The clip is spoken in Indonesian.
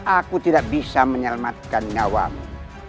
aku tidak bisa menyelamatkan nyawamu